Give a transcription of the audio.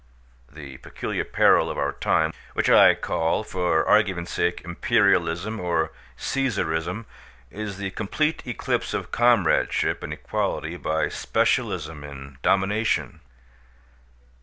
Now the peculiar peril of our time, which I call for argument's sake Imperialism or Caesarism, is the complete eclipse of comradeship and equality by specialism and domination.